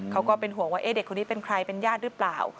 ก็เป็นห่วงว่าเด็กคนนี้เป็นใครเป็นญาติหรือเปล่า